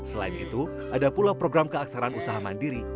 selain itu ada pula program keaksaraan usaha mandiri